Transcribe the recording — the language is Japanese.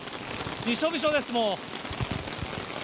びしょびしょです、もう。